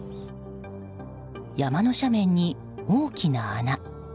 山の斜面に大きな穴。